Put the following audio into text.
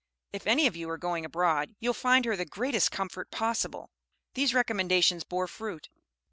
If any of you are going abroad, you'll find her the greatest comfort possible." These commendations bore fruit.